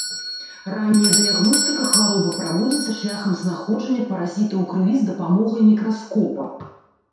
Ранняя дыягностыка хваробы праводзіцца шляхам знаходжання паразіта ў крыві з дапамогай мікраскопа.